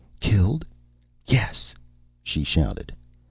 "Killed? Yes!" she shouted.